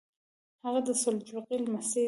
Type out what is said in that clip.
هغه د سلجوقي لمسی دی.